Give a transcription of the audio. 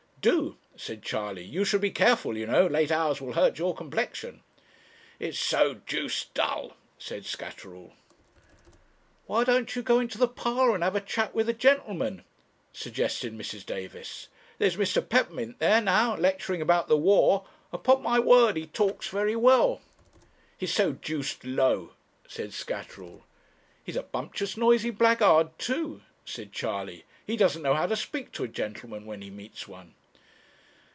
'Do,' said Charley; 'you should be careful, you know; late hours will hurt your complexion.' 'It's so deuced dull,' said Scatterall. 'Why don't you go into the parlour, and have a chat with the gentlemen?' suggested Mrs. Davis; 'there's Mr. Peppermint there now, lecturing about the war; upon my word he talks very well.' 'He's so deuced low,' said Scatterall. 'He's a bumptious noisy blackguard too,' said Charley; 'he doesn't know how to speak to a gentleman, when he meets one.'